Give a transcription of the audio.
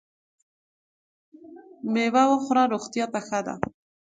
مېوه وخوره ! روغتیا ته ښه ده .